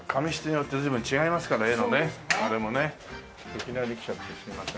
いきなり来ちゃってすいません。